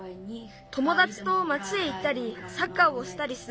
ともだちと町へ行ったりサッカーをしたりする。